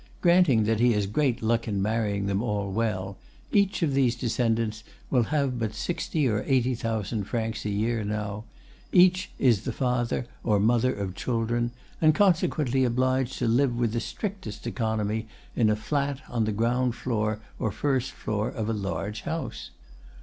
Granting that he has great luck in marrying them all well, each of these descendants will have but sixty or eighty thousand francs a year now; each is the father or mother of children, and consequently obliged to live with the strictest economy in a flat on the ground floor or first floor of a large house.